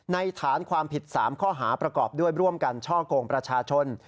ฐานความผิด๓ข้อหาประกอบด้วยร่วมกันช่อกงประชาชน